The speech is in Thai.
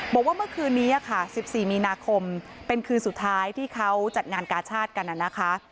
บอกว่าเมื่อคืนนี้ค่ะ๑๔มีนาคมเป็นคืนสุดท้ายที่เขาจัดงานกาชาติกันนะคะ